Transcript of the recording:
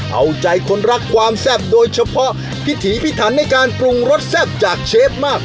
เอาใจคนรักความแซ่บโดยเฉพาะพิถีพิถันในการปรุงรสแซ่บจากเชฟมาก